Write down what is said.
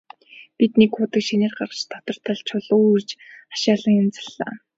Бид нэг худаг шинээр гаргаж, дотор талд нь чулуу өрж хашаалан янзаллаа.